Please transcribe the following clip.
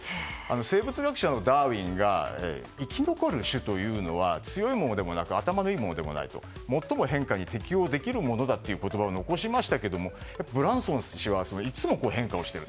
生物学者のダーウィンが生き残る種というのは強いものでもなく頭のいいものでもないと最も変化に適応できるものだという言葉を残しましたけれどもブランソン氏はいつも変化をしている。